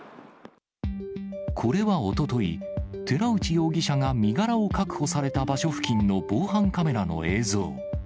これはおととい、寺内容疑者が身柄を確保された場所付近の防犯カメラの映像。